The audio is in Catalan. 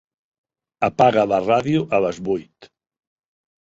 Apaga la ràdio a les vuit.